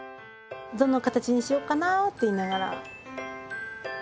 どの形にしよっかなって言いながら。